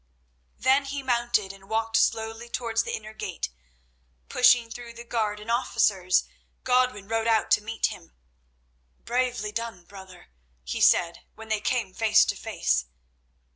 Then he mounted and walked slowly towards the inner gate. Pushing through the guard and officers, Godwin rode out to meet him. "Bravely done, brother," he said, when they came face to face.